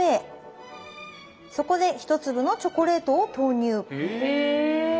そこで１粒のチョコレートを投入へぇ。